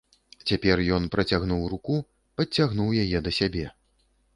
Цяпер ён працягнуў руку, падцягнуў яе да сябе.